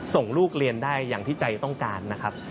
ส่งลูกเรียนได้อย่างที่ใจต้องการนะครับ